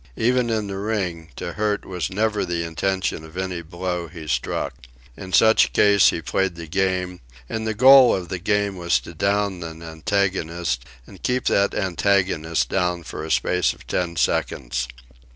Even in the ring, to hurt was never the intention of any blow he struck. In such case he played the Game, and the goal of the Game was to down an antagonist and keep that antagonist down for a space of ten seconds.